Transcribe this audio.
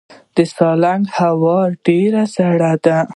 د سالنګ هوا ډیره سړه ده